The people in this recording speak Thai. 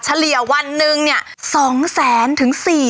เฉลี่ยวันหนึ่ง